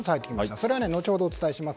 それは後ほどお伝えします。